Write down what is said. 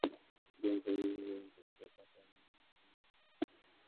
Ugonjwa huu huweza kuwapata wanyama wa aina zote